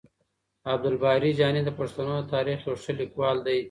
عبدالباري جهاني د پښتنو د تاريخ يو ښه ليکوال دی.